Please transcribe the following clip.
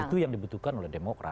dan itu yang dibutuhkan oleh demokrat